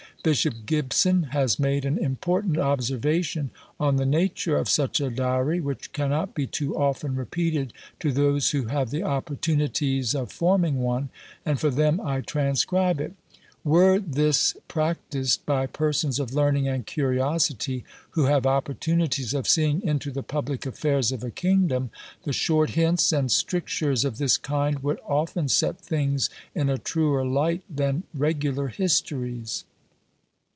Bishop Gibson has made an important observation on the nature of such a diary, which cannot be too often repeated to those who have the opportunities of forming one; and for them I transcribe it. "Were this practised by persons of learning and curiosity, who have opportunities of seeing into the public affairs of a kingdom, the short hints and strictures of this kind would often set things in a truer light than regular histories."